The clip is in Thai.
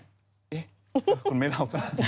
เอ๊ะคุณไม่เล่าซะ